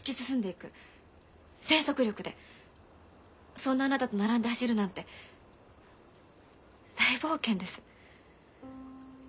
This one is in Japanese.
そんなあなたと並んで走るなんて大冒険です。